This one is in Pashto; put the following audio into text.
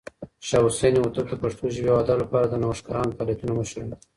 شاه حسين هوتک د پښتو ژبې او ادب لپاره د نوښتګران فعالیتونو مشر و.